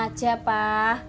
baju ini juga kan bagus